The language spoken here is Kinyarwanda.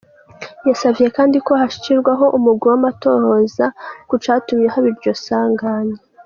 Yasavye kandi ko hashirwaho umugwi w'amatohoza ku catumye haba iryo sanganya.